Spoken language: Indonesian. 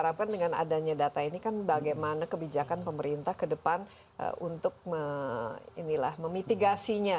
harapkan dengan adanya data ini kan bagaimana kebijakan pemerintah ke depan untuk memitigasinya